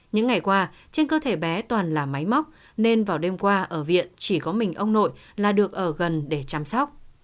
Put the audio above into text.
những ngày qua trên cơ thể bé toàn là máy móc nên vào đêm qua ở viện chỉ có mình ông nội là được ở gần để chăm sóc